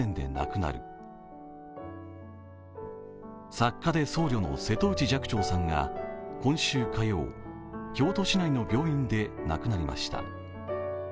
作家で僧侶の瀬戸内寂聴さんが今週火曜、京都市内の病院で亡くなりました。